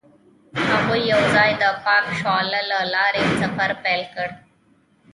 هغوی یوځای د پاک شعله له لارې سفر پیل کړ.